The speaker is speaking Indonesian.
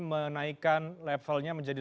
menaikkan levelnya menjadi